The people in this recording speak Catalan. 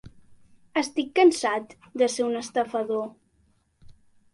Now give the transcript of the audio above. Estic cansat de ser un estafador.